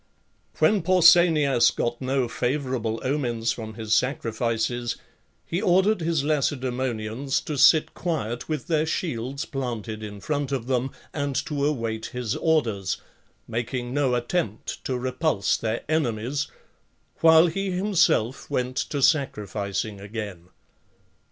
When Pausanias got no favourable omens from his sacrifices, he ordered his Lacedaemonians to sit quiet with their shields planted in front of them, and to await his orders, making no attempt to repulse their enemies, while he himself went to sacrificing again.